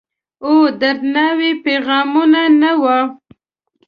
او دردڼاوو پیغامونه، نه وه